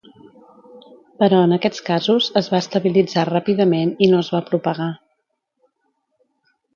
Però en aquests casos es va estabilitzar ràpidament i no es va propagar.